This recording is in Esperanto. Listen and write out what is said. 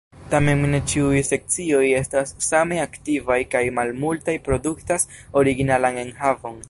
Tamen ne ĉiuj sekcioj estas same aktivaj kaj malmultaj produktas originalan enhavon.